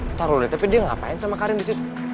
ntar lo liat tapi dia ngapain sama karim disitu